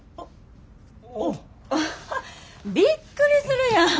おおびっくりするやん。